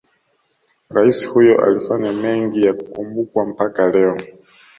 Rais huyo alifanya mengi ya kukumbukwa mpaka leo